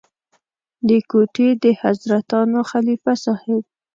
د کوټې د حضرتانو خلیفه صاحب.